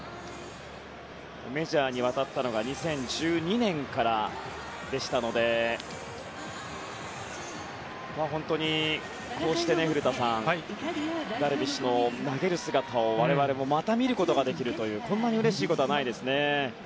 メジャーに渡ったのが２０１２年からでしたので古田さん、本当にこうしてダルビッシュの投げる姿を我々もまた見ることができるというこんなにうれしいことはないですね。